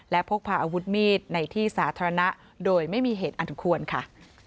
และพกพาอาวุธมีดในที่สาธารณะโดยไม่มีเหตุอันควรค่ะ